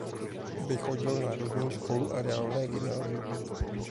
Vychodil národní školu a reálné gymnázium.